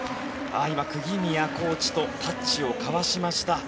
今、釘宮コーチとタッチを交わしました。